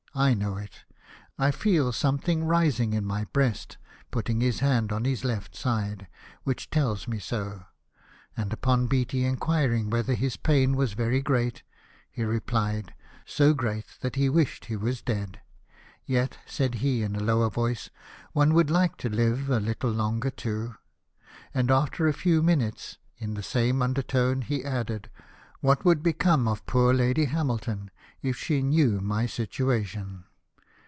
I know it. I feel something rising in my breast "— putting his hand on his left side — "which tells me so." And upon Beatty's inquiring whether his pain was very great ? he replied, " So great that he wished he was dead. Yet," said he in a lower voice, '' one would like to live a little longer too !" And after a few minutes 318 LIFE OF NELSON. in the same undertone lie added, " Wliat would become of poor Lady Hamilton if she knew my situation